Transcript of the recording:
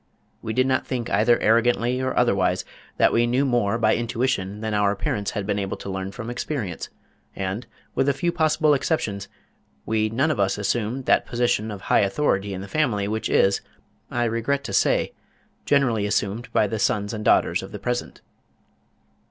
We did not think either arrogantly or otherwise that we knew more by intuition than our parents had been able to learn from experience, and, with a few possible exceptions, we none of us assumed that position of high authority in the family which is, I regret to say, generally assumed by the sons and daughters of the present.